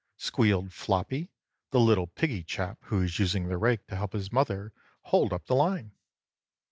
squealed Floppy, the little piggie chap who was using the rake to help his mother hold up the line.